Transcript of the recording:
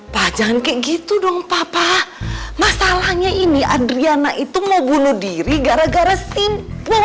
pak jangan kayak gitu dong papa masalahnya ini adriana itu mau bunuh diri gara gara simpul